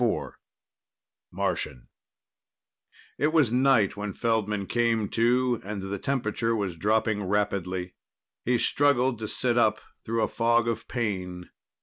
IV Martian It was night when Feldman came to, and the temperature was dropping rapidly. He struggled to sit up through a fog of pain.